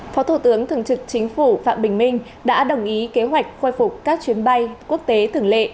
phó thủ tướng thường trực chính phủ phạm bình minh đã đồng ý kế hoạch khôi phục các chuyến bay quốc tế thường lệ